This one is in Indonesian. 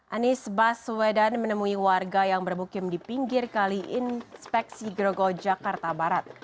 anies baswedan menemui warga yang berbukim di pinggir kali inspeksi grogol jakarta barat